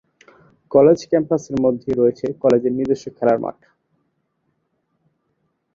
College ক্যাম্পাসের মধ্যেই রয়েছে কলেজের নিজস্ব খেলার মাঠ।